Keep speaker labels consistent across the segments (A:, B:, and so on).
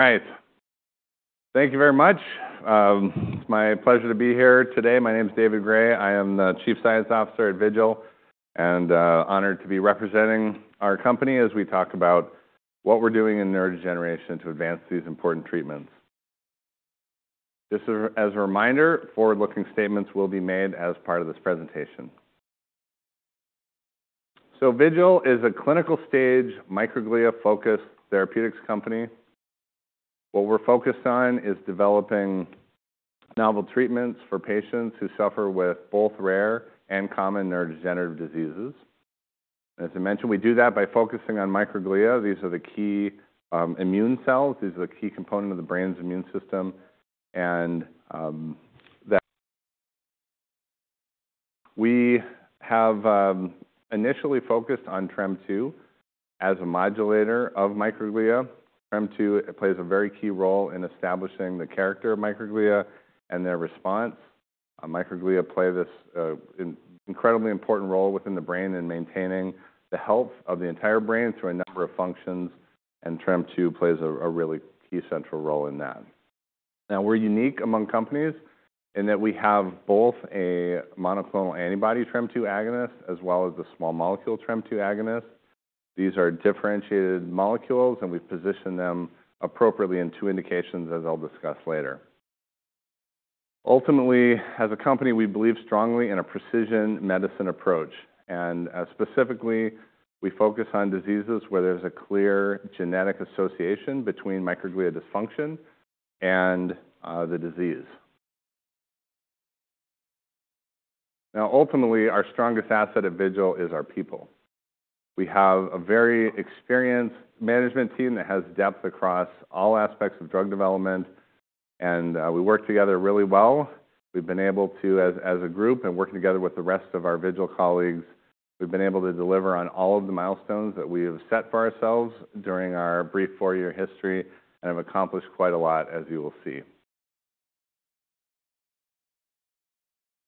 A: Right. Thank you very much. It's my pleasure to be here today. My name is David Gray. I am the Chief Science Officer at Vigil and honored to be representing our company as we talk about what we're doing in neurodegeneration to advance these important treatments. Just as a reminder, forward-looking statements will be made as part of this presentation. So Vigil is a clinical stage microglia-focused therapeutics company. What we're focused on is developing novel treatments for patients who suffer with both rare and common neurodegenerative diseases. As I mentioned, we do that by focusing on microglia. These are the key immune cells. These are the key components of the brain's immune system. And we have initially focused on TREM2 as a modulator of microglia. TREM2 plays a very key role in establishing the character of microglia and their response. Microglia play this incredibly important role within the brain in maintaining the health of the entire brain through a number of functions, and TREM2 plays a really key central role in that. Now, we're unique among companies in that we have both a monoclonal antibody TREM2 agonist as well as the small molecule TREM2 agonist. These are differentiated molecules, and we've positioned them appropriately in two indications, as I'll discuss later. Ultimately, as a company, we believe strongly in a precision medicine approach. And specifically, we focus on diseases where there's a clear genetic association between microglia dysfunction and the disease. Now, ultimately, our strongest asset at Vigil is our people. We have a very experienced management team that has depth across all aspects of drug development, and we work together really well. We've been able to, as a group and working together with the rest of our Vigil colleagues, we've been able to deliver on all of the milestones that we have set for ourselves during our brief 4-year history and have accomplished quite a lot, as you will see.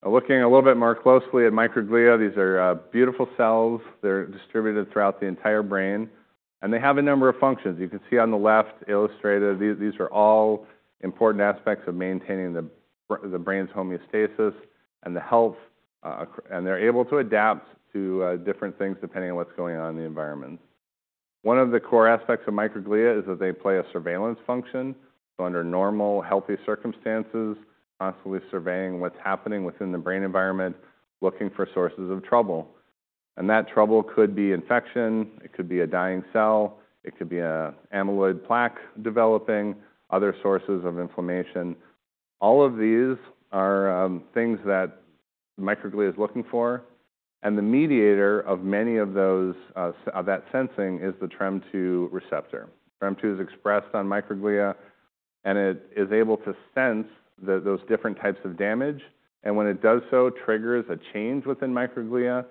A: Looking a little bit more closely at microglia, these are beautiful cells. They're distributed throughout the entire brain, and they have a number of functions. You can see on the left illustrated, these are all important aspects of maintaining the brain's homeostasis and the health, and they're able to adapt to different things depending on what's going on in the environment. One of the core aspects of microglia is that they play a surveillance function. So under normal, healthy circumstances, constantly surveying what's happening within the brain environment, looking for sources of trouble. That trouble could be infection, it could be a dying cell, it could be amyloid plaque developing, other sources of inflammation. All of these are things that microglia is looking for, and the mediator of many of that sensing is the TREM2 receptor. TREM2 is expressed on microglia, and it is able to sense those different types of damage. And when it does so, it triggers a change within microglia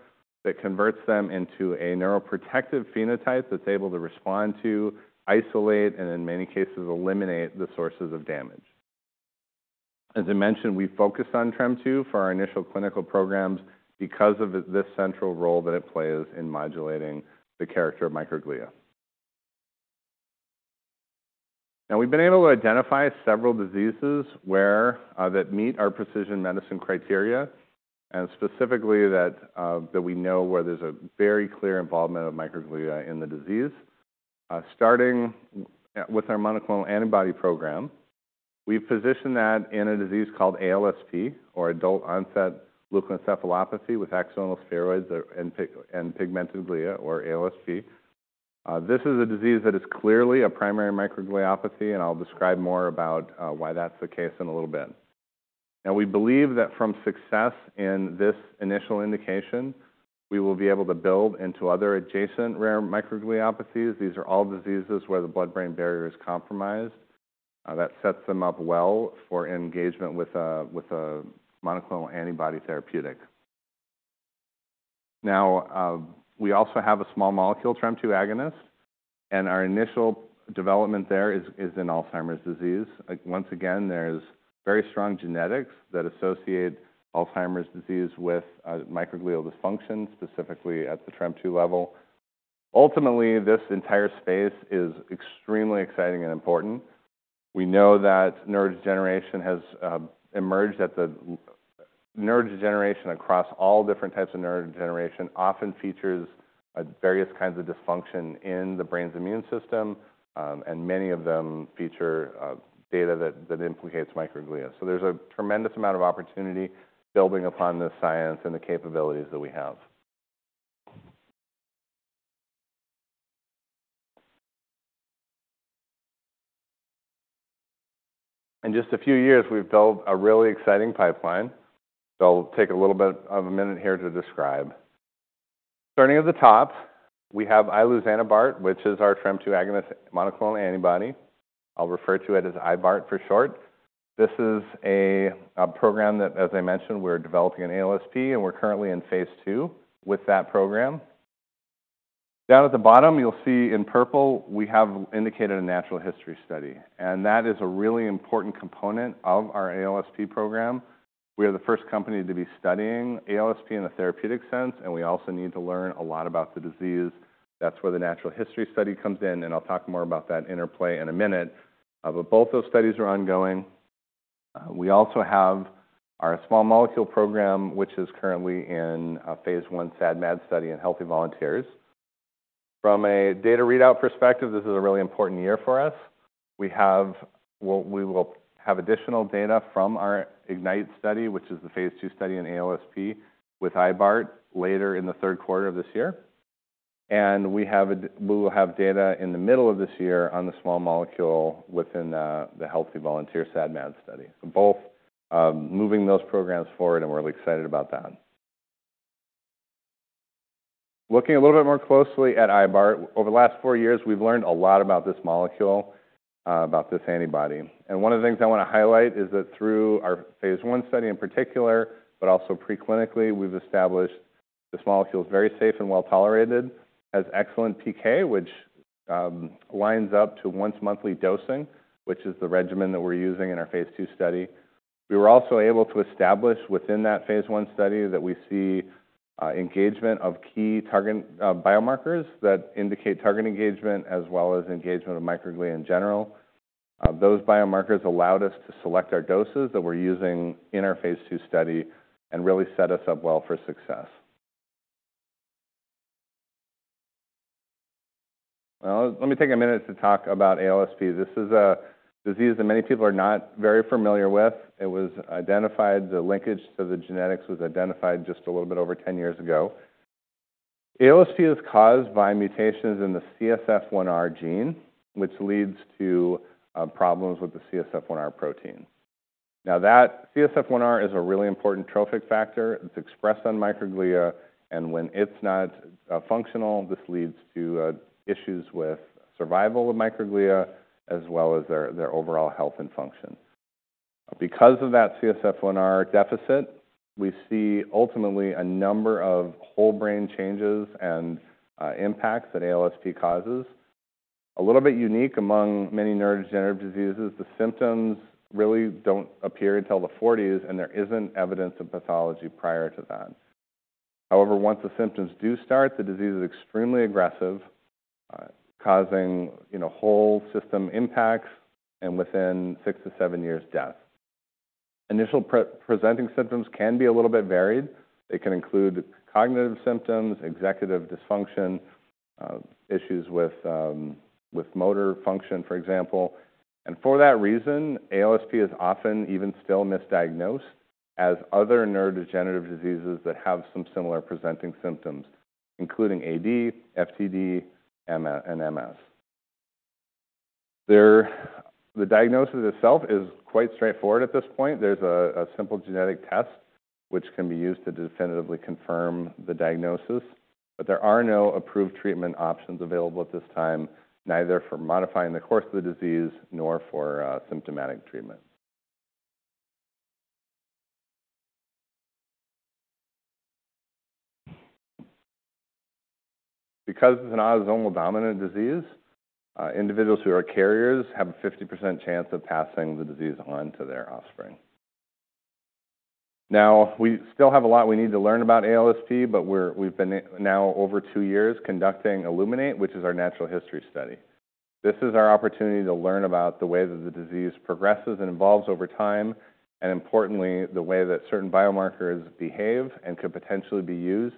A: that converts them into a neuroprotective phenotype that's able to respond to, isolate, and in many cases, eliminate the sources of damage. As I mentioned, we focused on TREM2 for our initial clinical programs because of this central role that it plays in modulating the character of microglia. Now, we've been able to identify several diseases that meet our precision medicine criteria, and specifically that we know where there's a very clear involvement of microglia in the disease. Starting with our monoclonal antibody program, we've positioned that in a disease called ALSP, or adult-onset leukoencephalopathy with axonal spheroids and pigmented glia, or ALSP. This is a disease that is clearly a primary microgliopathy, and I'll describe more about why that's the case in a little bit. Now, we believe that from success in this initial indication, we will be able to build into other adjacent rare microgliopathies. These are all diseases where the blood-brain barrier is compromised. That sets them up well for engagement with a monoclonal antibody therapeutic. Now, we also have a small molecule TREM2 agonist, and our initial development there is in Alzheimer's disease. Once again, there's very strong genetics that associate Alzheimer's disease with microglial dysfunction, specifically at the TREM2 level. Ultimately, this entire space is extremely exciting and important. We know that neurodegeneration has emerged at the neurodegeneration across all different types of neurodegeneration often features various kinds of dysfunction in the brain's immune system, and many of them feature data that implicates microglia. So there's a tremendous amount of opportunity building upon the science and the capabilities that we have. In just a few years, we've built a really exciting pipeline. So I'll take a little bit of a minute here to describe. Starting at the top, we have iluzanebart, which is our TREM2 agonist monoclonal antibody. I'll refer to it as IBART for short. This is a program that, as I mentioned, we're developing in ALSP, and we're currently in phase II with that program. Down at the bottom, you'll see in purple, we have indicated a natural history study, and that is a really important component of our ALSP program. We are the first company to be studying ALSP in a therapeutic sense, and we also need to learn a lot about the disease. That's where the natural history study comes in, and I'll talk more about that interplay in a minute. But both those studies are ongoing. We also have our small molecule program, which is currently in phase I SAD-MAD study in healthy volunteers. From a data readout perspective, this is a really important year for us. We will have additional data from our IGNITE study, which is the phase II study in ALSP with iluzanebart later in the third quarter of this year. And we will have data in the middle of this year on the small molecule within the healthy volunteer SAD-MAD study. So both moving those programs forward, and we're really excited about that. Looking a little bit more closely at iluzanebart, over the last four years, we've learned a lot about this molecule, about this antibody. One of the things I want to highlight is that through our phase I study in particular, but also preclinically, we've established this molecule is very safe and well tolerated, has excellent PK, which lines up to once-monthly dosing, which is the regimen that we're using in our phase II study. We were also able to establish within that phase I study that we see engagement of key target biomarkers that indicate target engagement as well as engagement of microglia in general. Those biomarkers allowed us to select our doses that we're using in our phase II study and really set us up well for success. Now, let me take a minute to talk about ALSP. This is a disease that many people are not very familiar with. It was identified. The linkage to the genetics was identified just a little bit over 10 years ago. ALSP is caused by mutations in the CSF1R gene, which leads to problems with the CSF1R protein. Now, that CSF1R is a really important trophic factor. It's expressed on microglia, and when it's not functional, this leads to issues with survival of microglia as well as their overall health and function. Because of that CSF1R deficit, we see ultimately a number of whole brain changes and impacts that ALSP causes. A little bit unique among many neurodegenerative diseases, the symptoms really don't appear until the 40s, and there isn't evidence of pathology prior to that. However, once the symptoms do start, the disease is extremely aggressive, causing whole system impacts and within six - seven years, death. Initial presenting symptoms can be a little bit varied. They can include cognitive symptoms, executive dysfunction, issues with motor function, for example. And for that reason, ALSP is often even still misdiagnosed as other neurodegenerative diseases that have some similar presenting symptoms, including AD, FTD, and MS. The diagnosis itself is quite straightforward at this point. There's a simple genetic test, which can be used to definitively confirm the diagnosis, but there are no approved treatment options available at this time, neither for modifying the course of the disease nor for symptomatic treatment. Because it's an autosomal dominant disease, individuals who are carriers have a 50% chance of passing the disease on to their offspring. Now, we still have a lot we need to learn about ALSP, but we've been now over two years conducting ILLUMINATE, which is our natural history study. This is our opportunity to learn about the way that the disease progresses and evolves over time, and importantly, the way that certain biomarkers behave and could potentially be used.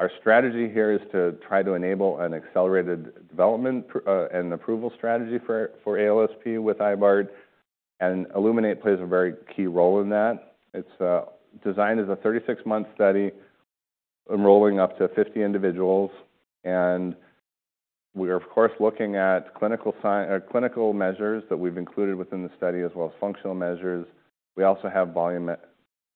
A: Our strategy here is to try to enable an accelerated development and approval strategy for ALSP with iluzanebart, and ILLUMINATE plays a very key role in that. It's designed as a 36-month study enrolling up to 50 individuals, and we are, of course, looking at clinical measures that we've included within the study as well as functional measures. We also have volumetric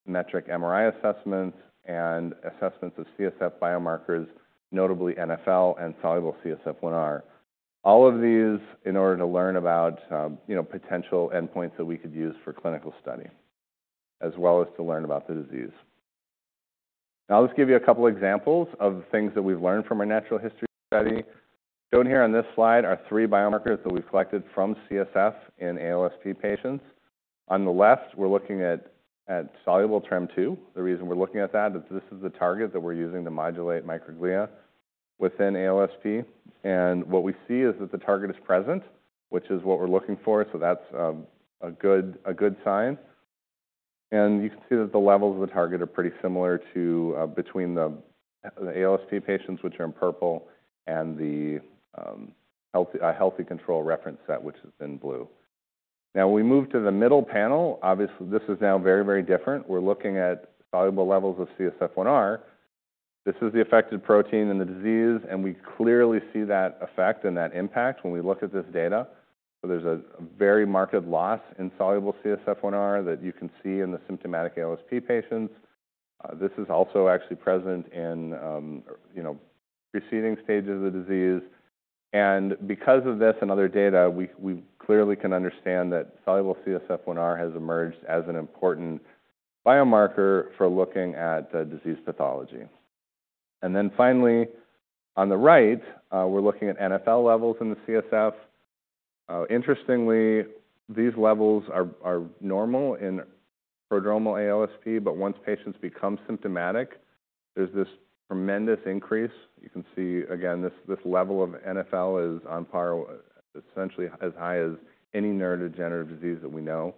A: MRI assessments and assessments of CSF biomarkers, notably NfL and soluble CSF1R. All of these in order to learn about potential endpoints that we could use for clinical study, as well as to learn about the disease. Now, I'll just give you a couple of examples of things that we've learned from our natural history study. Shown here on this slide are three biomarkers that we've collected from CSF in ALSP patients. On the left, we're looking at soluble TREM2. The reason we're looking at that is this is the target that we're using to modulate microglia within ALSP, and what we see is that the target is present, which is what we're looking for, so that's a good sign. You can see that the levels of the target are pretty similar between the ALSP patients, which are in purple, and the healthy control reference set, which is in blue. Now, when we move to the middle panel, obviously, this is now very, very different. We're looking at soluble levels of CSF1R. This is the affected protein in the disease, and we clearly see that effect and that impact when we look at this data. So there's a very marked loss in soluble CSF1R that you can see in the symptomatic ALSP patients. This is also actually present in preceding stages of the disease. And because of this and other data, we clearly can understand that soluble CSF1R has emerged as an important biomarker for looking at disease pathology. And then finally, on the right, we're looking at NfL levels in the CSF. Interestingly, these levels are normal in prodromal ALSP, but once patients become symptomatic, there's this tremendous increase. You can see, again, this level of NfL is essentially as high as any neurodegenerative disease that we know.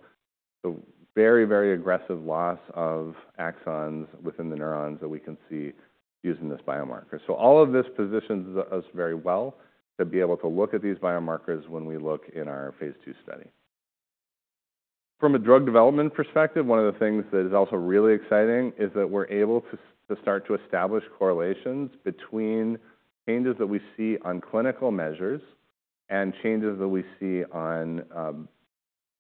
A: So very, very aggressive loss of axons within the neurons that we can see using this biomarker. So all of this positions us very well to be able to look at these biomarkers when we look in our phase II study. From a drug development perspective, one of the things that is also really exciting is that we're able to start to establish correlations between changes that we see on clinical measures and changes that we see on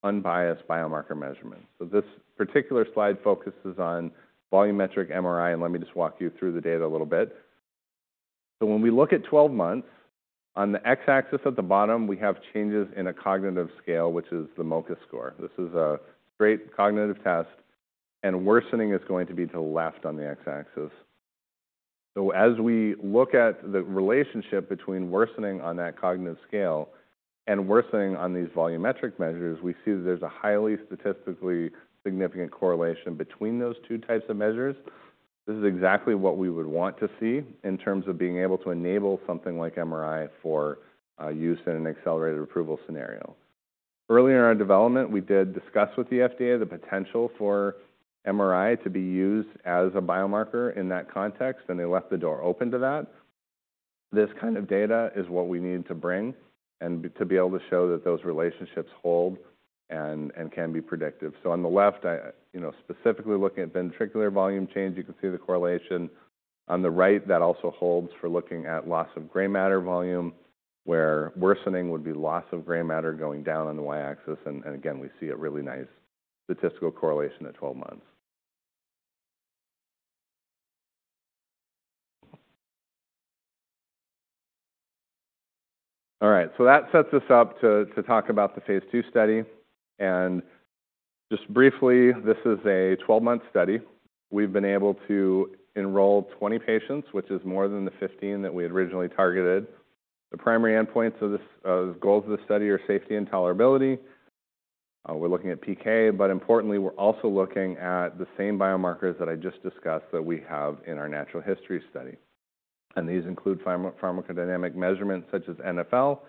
A: unbiased biomarker measurements. This particular slide focuses on volumetric MRI, and let me just walk you through the data a little bit. When we look at 12 months, on the x-axis at the bottom, we have changes in a cognitive scale, which is the MoCA score. This is a great cognitive test, and worsening is going to be to the left on the x-axis. As we look at the relationship between worsening on that cognitive scale and worsening on these volumetric measures, we see that there's a highly statistically significant correlation between those two types of measures. This is exactly what we would want to see in terms of being able to enable something like MRI for use in an accelerated approval scenario. Earlier in our development, we did discuss with the FDA the potential for MRI to be used as a biomarker in that context, and they left the door open to that. This kind of data is what we need to bring and to be able to show that those relationships hold and can be predictive. So on the left, specifically looking at ventricular volume change, you can see the correlation. On the right, that also holds for looking at loss of gray matter volume, where worsening would be loss of gray matter going down on the y-axis, and again, we see a really nice statistical correlation at 12 months. All right, so that sets us up to talk about the phase two study. Just briefly, this is a 12-month study. We've been able to enroll 20 patients, which is more than the 15 that we had originally targeted. The primary endpoints of the goals of the study are safety and tolerability. We're looking at PK, but importantly, we're also looking at the same biomarkers that I just discussed that we have in our natural history study. And these include pharmacodynamic measurements such as NfL,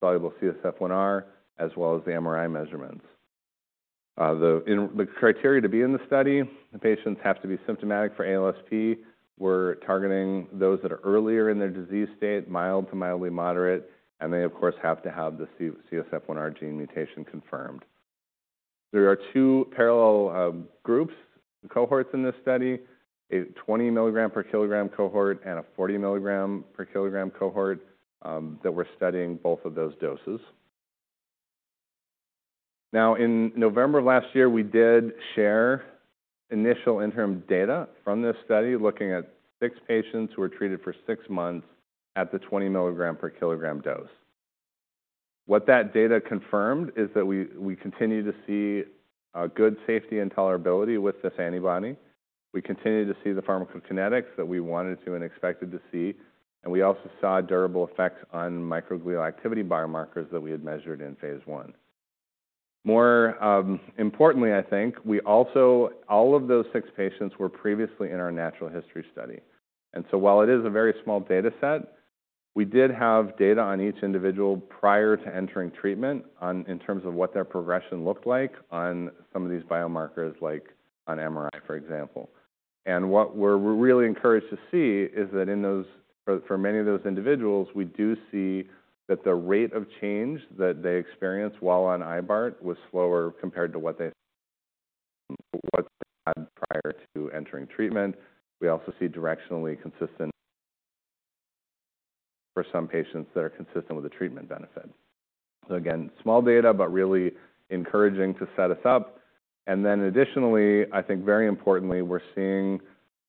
A: soluble CSF1R, as well as the MRI measurements. The criteria to be in the study, the patients have to be symptomatic for ALSP. We're targeting those that are earlier in their disease state, mild to mildly moderate, and they, of course, have to have the CSF1R gene mutation confirmed. There are two parallel groups, cohorts in this study, a 20 mg/kg cohort and a 40 mg/kg cohort that we're studying both of those doses. Now, in November of last year, we did share initial interim data from this study looking at six patients who were treated for six months at the 20 mg/kg dose. What that data confirmed is that we continue to see good safety and tolerability with this antibody. We continue to see the pharmacokinetics that we wanted to and expected to see, and we also saw durable effects on microglia activity biomarkers that we had measured in phase I. More importantly, I think, we also, all of those six patients were previously in our natural history study. And so while it is a very small data set, we did have data on each individual prior to entering treatment in terms of what their progression looked like on some of these biomarkers, like on MRI, for example. What we're really encouraged to see is that for many of those individuals, we do see that the rate of change that they experienced while on iluzanebart was slower compared to what they had prior to entering treatment. We also see directionally consistent for some patients that are consistent with the treatment benefit. So again, small data, but really encouraging to set us up. And then additionally, I think very importantly, we're seeing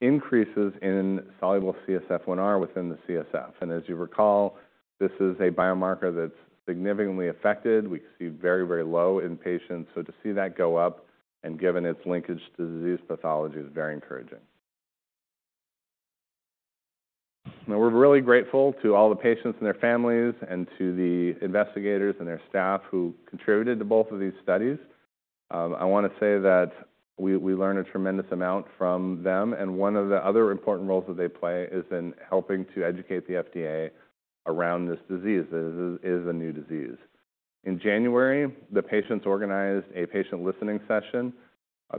A: increases in soluble CSF1R within the CSF. And as you recall, this is a biomarker that's significantly affected. We see very, very low in patients. So to see that go up and given its linkage to disease pathology is very encouraging. Now, we're really grateful to all the patients and their families and to the investigators and their staff who contributed to both of these studies. I want to say that we learned a tremendous amount from them, and one of the other important roles that they play is in helping to educate the FDA around this disease that is a new disease. In January, the patients organized a patient listening session.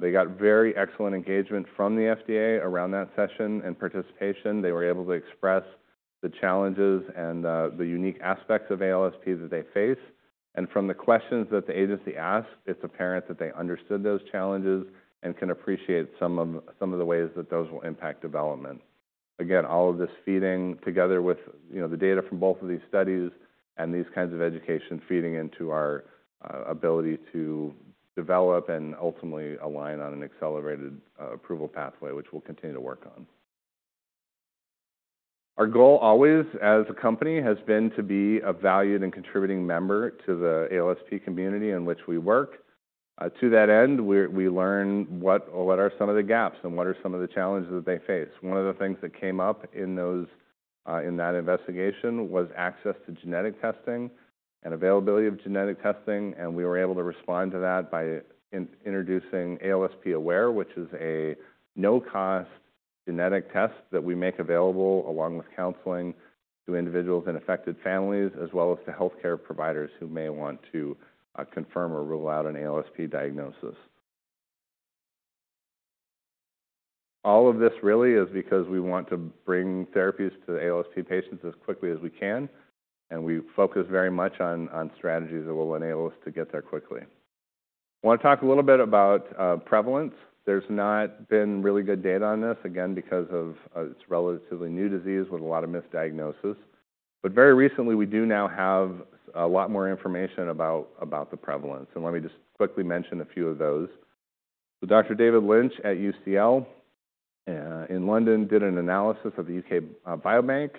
A: They got very excellent engagement from the FDA around that session and participation. They were able to express the challenges and the unique aspects of ALSP that they face. And from the questions that the agency asked, it's apparent that they understood those challenges and can appreciate some of the ways that those will impact development. Again, all of this feeding together with the data from both of these studies and these kinds of education feeding into our ability to develop and ultimately align on an accelerated approval pathway, which we'll continue to work on. Our goal always as a company has been to be a valued and contributing member to the ALSP community in which we work. To that end, we learn what are some of the gaps and what are some of the challenges that they face. One of the things that came up in that investigation was access to genetic testing and availability of genetic testing, and we were able to respond to that by introducing ALSPAware, which is a no-cost genetic test that we make available along with counseling to individuals and affected families, as well as to healthcare providers who may want to confirm or rule out an ALSP diagnosis. All of this really is because we want to bring therapies to ALSP patients as quickly as we can, and we focus very much on strategies that will enable us to get there quickly. I want to talk a little bit about prevalence. There's not been really good data on this, again, because it's a relatively new disease with a lot of misdiagnosis. But very recently, we do now have a lot more information about the prevalence, and let me just quickly mention a few of those. Dr. David Lynch at UCL in London did an analysis of the UK Biobank.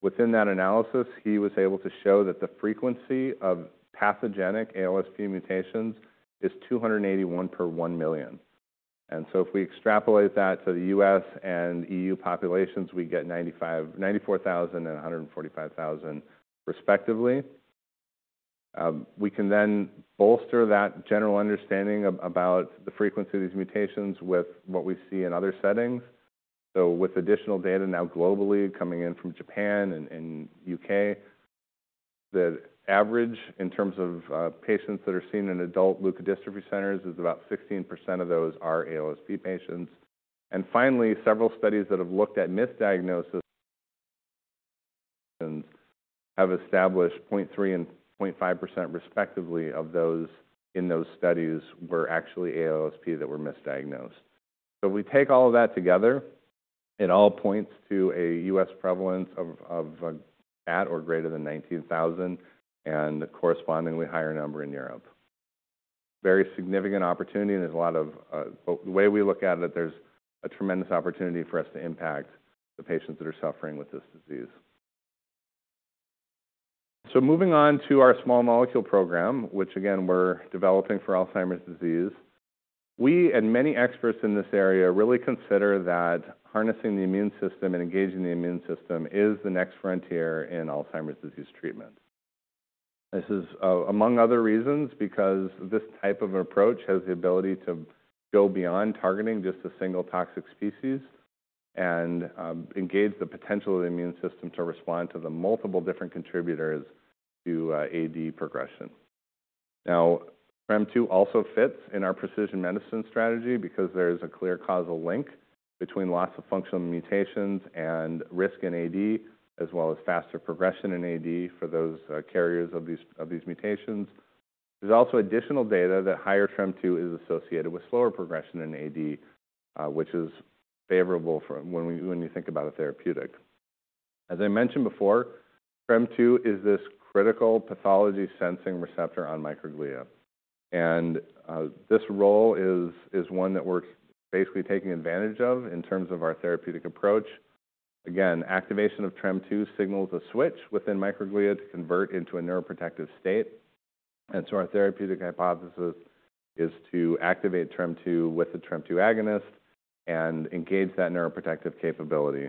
A: Within that analysis, he was able to show that the frequency of pathogenic ALSP mutations is 281 per one million. And so if we extrapolate that to the U.S. and E.U. populations, we get 94,000 and 145,000 respectively. We can then bolster that general understanding about the frequency of these mutations with what we see in other settings. So with additional data now globally coming in from Japan and U.K., the average in terms of patients that are seen in adult leukodystrophy centers is about 16% of those are ALSP patients. And finally, several studies that have looked at misdiagnosis have established 0.3% and 0.5% respectively of those in those studies were actually ALSP that were misdiagnosed. So if we take all of that together, it all points to a U.S. prevalence of at or greater than 19,000 and a correspondingly higher number in Europe. Very significant opportunity, and there's a lot of the way we look at it, there's a tremendous opportunity for us to impact the patients that are suffering with this disease. So moving on to our small molecule program, which again, we're developing for Alzheimer's disease. We and many experts in this area really consider that harnessing the immune system and engaging the immune system is the next frontier in Alzheimer's disease treatment. This is among other reasons because this type of approach has the ability to go beyond targeting just a single toxic species and engage the potential of the immune system to respond to the multiple different contributors to AD progression. Now, TREM2 also fits in our precision medicine strategy because there is a clear causal link between loss of functional mutations and risk in AD, as well as faster progression in AD for those carriers of these mutations. There's also additional data that higher TREM2 is associated with slower progression in AD, which is favorable when you think about a therapeutic. As I mentioned before, TREM2 is this critical pathology-sensing receptor on microglia. And this role is one that we're basically taking advantage of in terms of our therapeutic approach. Again, activation of TREM2 signals a switch within microglia to convert into a neuroprotective state. And so our therapeutic hypothesis is to activate TREM2 with the TREM2 agonist and engage that neuroprotective capability.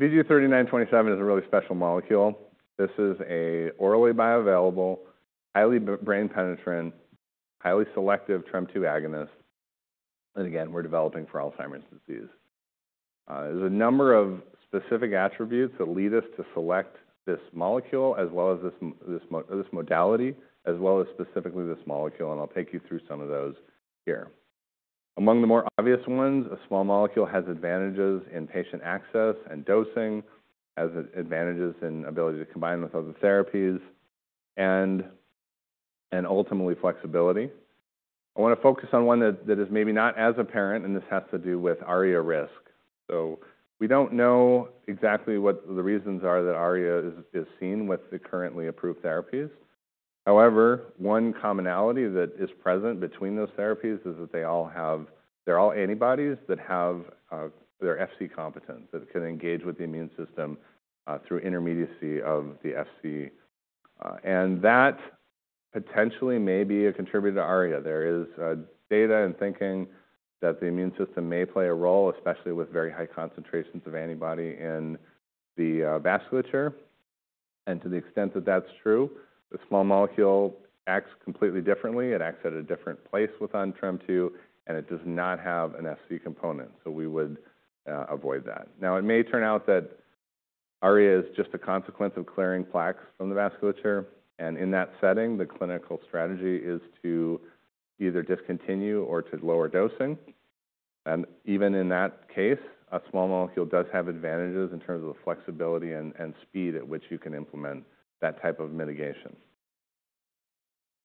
A: All right, so VG-3927 is a really special molecule. This is an orally bioavailable, highly brain-penetrant, highly selective TREM2 agonist. And again, we're developing for Alzheimer's disease. There's a number of specific attributes that lead us to select this molecule, as well as this modality, as well as specifically this molecule, and I'll take you through some of those here. Among the more obvious ones, a small molecule has advantages in patient access and dosing, has advantages in ability to combine with other therapies, and ultimately flexibility. I want to focus on one that is maybe not as apparent, and this has to do with ARIA risk. So we don't know exactly what the reasons are that ARIA is seen with the currently approved therapies. However, one commonality that is present between those therapies is that they're all antibodies that have their Fc component that can engage with the immune system through intermediacy of the Fc. And that potentially may be a contributor to ARIA. There is data and thinking that the immune system may play a role, especially with very high concentrations of antibody in the vasculature. And to the extent that that's true, the small molecule acts completely differently. It acts at a different place within TREM2, and it does not have an Fc component, so we would avoid that. Now, it may turn out that ARIA is just a consequence of clearing plaques from the vasculature, and in that setting, the clinical strategy is to either discontinue or to lower dosing. Even in that case, a small molecule does have advantages in terms of the flexibility and speed at which you can implement that type of mitigation.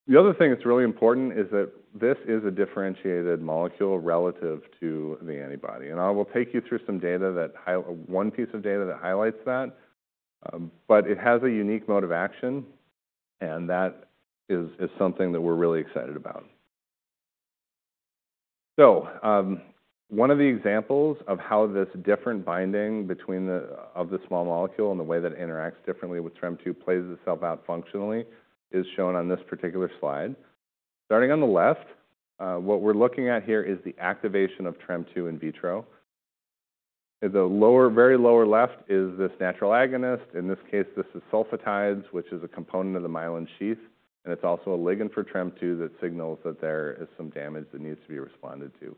A: The other thing that's really important is that this is a differentiated molecule relative to the antibody. I will take you through some data that one piece of data that highlights that, but it has a unique mode of action, and that is something that we're really excited about. One of the examples of how this different binding of the small molecule and the way that it interacts differently with TREM2 plays itself out functionally is shown on this particular slide. Starting on the left, what we're looking at here is the activation of TREM2 in vitro. The very lower left is this natural agonist. In this case, this is sulfatides, which is a component of the myelin sheath, and it's also a ligand for TREM2 that signals that there is some damage that needs to be responded to.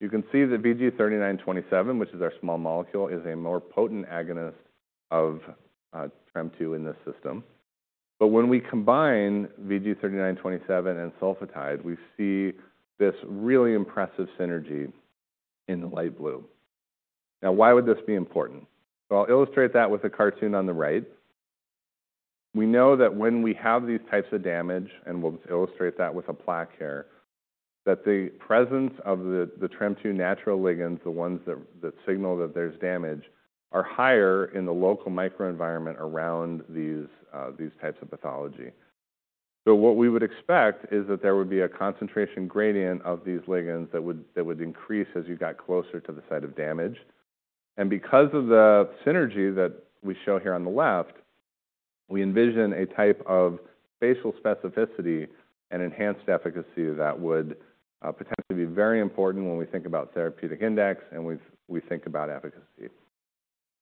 A: You can see that VG-3927, which is our small molecule, is a more potent agonist of TREM2 in this system. But when we combine VG-3927 and sulfatide, we see this really impressive synergy in the light blue. Now, why would this be important? So I'll illustrate that with a cartoon on the right. We know that when we have these types of damage, and we'll illustrate that with a plaque here, that the presence of the TREM2 natural ligands, the ones that signal that there's damage, are higher in the local microenvironment around these types of pathology. So what we would expect is that there would be a concentration gradient of these ligands that would increase as you got closer to the site of damage. Because of the synergy that we show here on the left, we envision a type of spatial specificity and enhanced efficacy that would potentially be very important when we think about therapeutic index and we think about efficacy.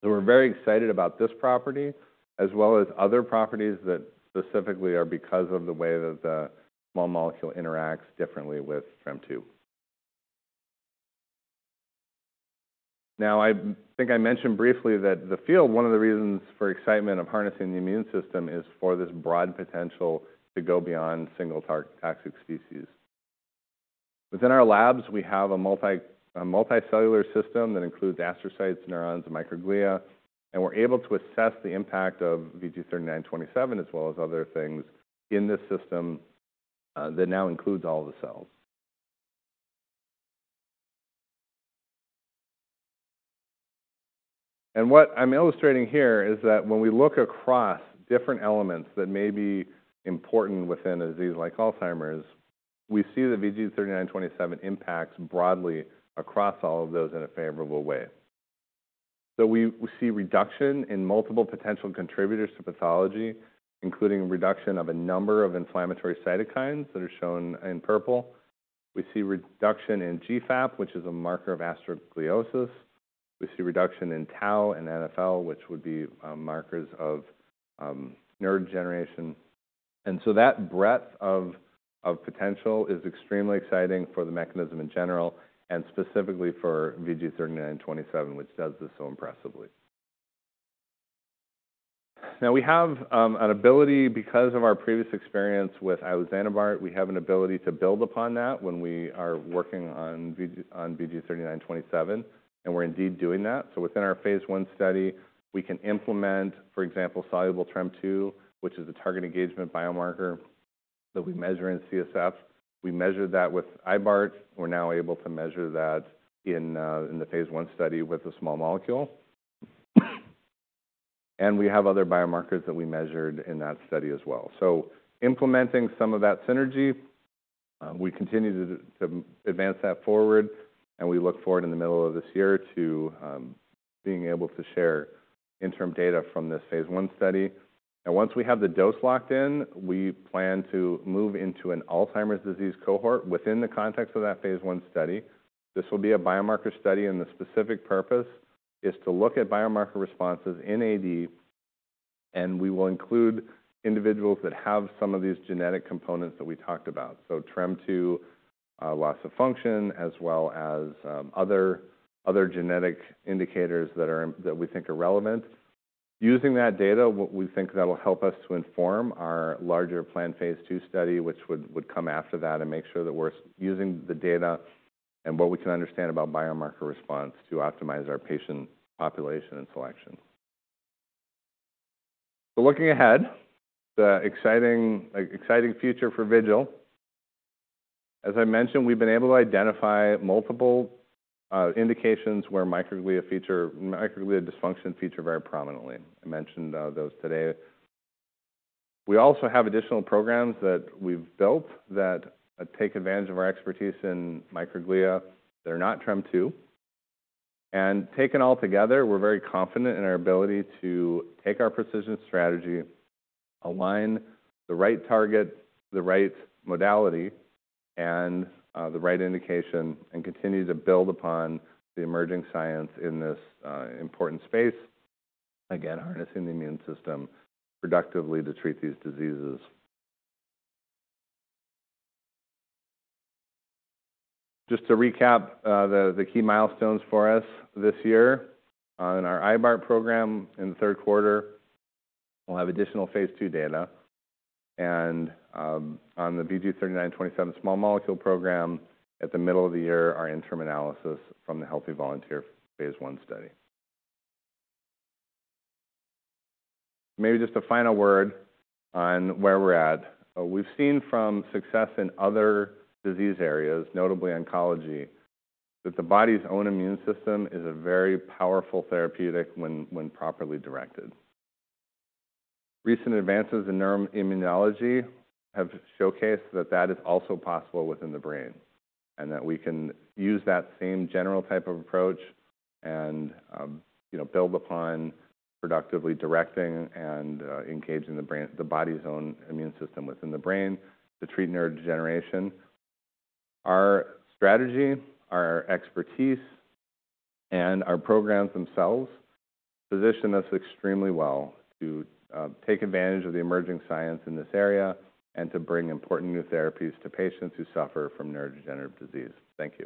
A: So we're very excited about this property, as well as other properties that specifically are because of the way that the small molecule interacts differently with TREM2. Now, I think I mentioned briefly that the field, one of the reasons for excitement of harnessing the immune system is for this broad potential to go beyond single toxic species. Within our labs, we have a multicellular system that includes astrocytes, neurons, and microglia, and we're able to assess the impact of VG-3927, as well as other things in this system that now includes all the cells. What I'm illustrating here is that when we look across different elements that may be important within a disease like Alzheimer's, we see that VG-3927 impacts broadly across all of those in a favorable way. We see reduction in multiple potential contributors to pathology, including reduction of a number of inflammatory cytokines that are shown in purple. We see reduction in GFAP, which is a marker of astrogliosis. We see reduction in TAU and NfL, which would be markers of nerve degeneration. And so that breadth of potential is extremely exciting for the mechanism in general and specifically for VG-3927, which does this so impressively. Now, we have an ability because of our previous experience with iluzanebart, we have an ability to build upon that when we are working on VG-3927, and we're indeed doing that. So within our phase one study, we can implement, for example, soluble TREM2, which is a target engagement biomarker that we measure in CSF. We measured that with iluzanebart. We're now able to measure that in the phase one study with a small molecule. And we have other biomarkers that we measured in that study as well. So implementing some of that synergy, we continue to advance that forward, and we look forward in the middle of this year to being able to share interim data from this phase I study. Now, once we have the dose locked in, we plan to move into an Alzheimer's disease cohort within the context of that phase I study. This will be a biomarker study, and the specific purpose is to look at biomarker responses in AD, and we will include individuals that have some of these genetic components that we talked about, so TREM2, loss of function, as well as other genetic indicators that we think are relevant. Using that data, we think that will help us to inform our larger planned phase II study, which would come after that, and make sure that we're using the data and what we can understand about biomarker response to optimize our patient population and selection. So looking ahead, the exciting future for Vigil. As I mentioned, we've been able to identify multiple indications where microglia dysfunction feature very prominently. I mentioned those today. We also have additional programs that we've built that take advantage of our expertise in microglia. They're not TREM2. And taken all together, we're very confident in our ability to take our precision strategy, align the right target, the right modality, and the right indication, and continue to build upon the emerging science in this important space, again, harnessing the immune system productively to treat these diseases. Just to recap the key milestones for us this year, in our iluzanebart program in the third quarter, we'll have additional phase II data. And on the VG-3927 small molecule program, at the middle of the year, our interim analysis from the healthy volunteer phase I study. Maybe just a final word on where we're at. We've seen from success in other disease areas, notably oncology, that the body's own immune system is a very powerful therapeutic when properly directed. Recent advances in neuroimmunology have showcased that that is also possible within the brain and that we can use that same general type of approach and build upon productively directing and engaging the body's own immune system within the brain to treat neurodegeneration. Our strategy, our expertise, and our programs themselves position us extremely well to take advantage of the emerging science in this area and to bring important new therapies to patients who suffer from neurodegenerative disease. Thank you.